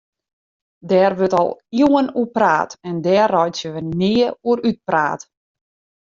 Dêr wurdt al iuwen oer praat en dêr reitsje we nea oer útpraat.